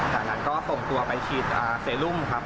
จากนั้นก็ส่งตัวไปฉีดเซรุมครับ